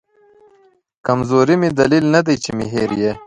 کمزوري مې دلیل ندی چې مې هېر یې